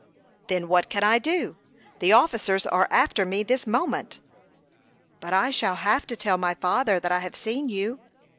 "Then what can I do? The officers are after me this moment." "But I shall have to tell my father that I have seen you."